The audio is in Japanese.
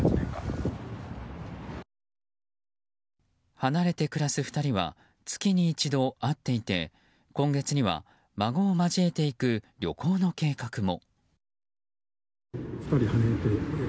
離れて暮らす２人は月に一度、会っていて今月には孫を交えて行く旅行の計画も。